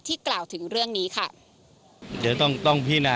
ที่กล่าวถึงเรื่องนี้ค่ะ